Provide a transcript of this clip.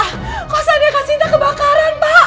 tidak usah dikasih dina kebakaran pak